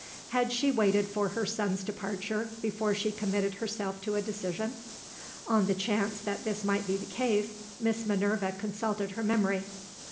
Had she waited for her son's departure, before she committed herself to a decision? On the chance that this might be the case, Miss Minerva consulted her memory.